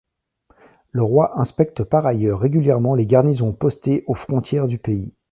Le roi inspecte par ailleurs régulièrement les garnisons postées aux frontières du pays.